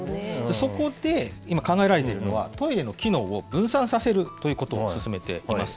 そこで、今、考えられているのはトイレの機能を分散させるということを進めています。